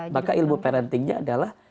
maka ilmu parentingnya adalah